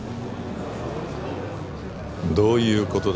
どういうことだ？